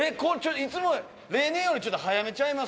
いつも例年よりちょっと早めちゃいます？